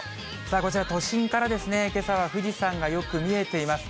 こちら、都心からけさは富士山がよく見えています。